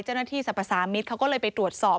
เจ้าหน้าที่สรรพสามิตรเขาก็เลยไปตรวจสอบ